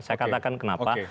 saya katakan kenapa